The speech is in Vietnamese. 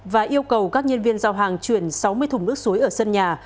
và yêu cầu các nhân viên giao hàng chuyển sáu mươi thùng nước suối ở sân nhà